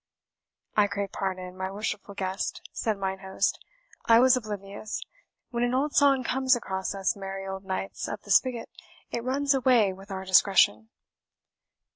"I crave pardon, my worshipful guest," said mine host, "I was oblivious. When an old song comes across us merry old knights of the spigot, it runs away with our discretion."